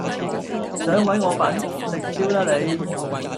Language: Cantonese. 想搵我笨？食蕉啦你！